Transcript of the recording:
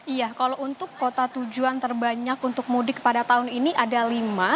iya kalau untuk kota tujuan terbanyak untuk mudik pada tahun ini ada lima